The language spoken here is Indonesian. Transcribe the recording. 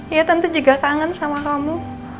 ya tentu juga kangen sama kamu